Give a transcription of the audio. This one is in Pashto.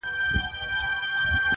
چي دولتمند یې که دربدر یې-